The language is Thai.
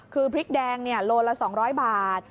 คือพริกแดงโลละ๒๐๐บาท